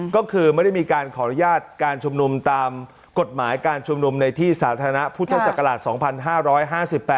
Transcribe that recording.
ก็คือไม่ได้มีการขออนุญาตการชุมนุมตามกฎหมายการชุมนุมในที่สาธารณะพุทธศักราช๒๕๕๘